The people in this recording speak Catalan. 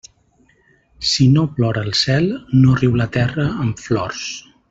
Si no plora el cel, no riu la terra amb flors.